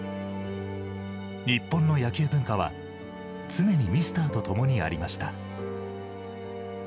日本の野球文化は常にミスターとともにありました。